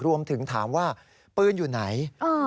รวมถึงถามว่าปืนอยู่ไหน